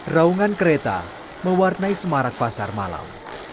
raungan kereta mewarnai semarak pasar malam